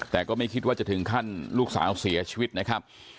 แต่ก็ไม่คิดว่าจะถึงขั้นลูกสาวเสียชีวิตนะครับ